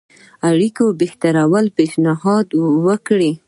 اړيکو بهترولو پېشنهاد وکړي.